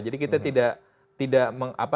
jadi kita tidak